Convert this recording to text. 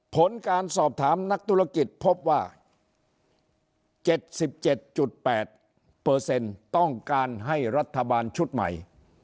ผลการสอบถามนักธุรกิจพบว่า๗๗๘ต้องการให้รัฐบาลชุดใหม่